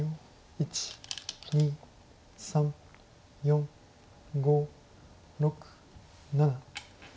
１２３４５６７。